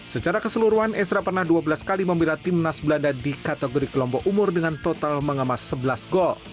secara keseluruhan ezra pernah dua belas kali membela tim nas belanda di kategori kelompok umur dengan total mengemas sebelas gol